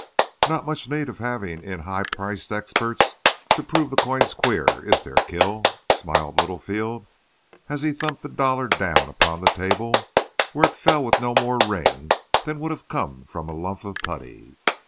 "Not much need of having in high priced experts to prove the coin's queer, is there, Kil?" smiled Littlefield, as he thumped the dollar down upon the table, where it fell with no more ring than would have come from a lump of putty.